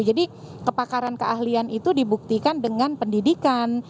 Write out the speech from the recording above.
jadi kepakaran keahlian itu dibuktikan dengan pendidikan